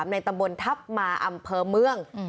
ในตำบลทัพมาอำเภอเมือง